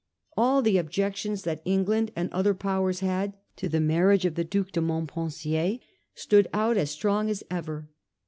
All the objections that England and other Powers had to the marriage of the Due de Montpensier stood out as strong as ever.